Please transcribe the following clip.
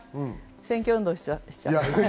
選挙運動しちゃった。